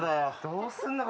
どうすんだ？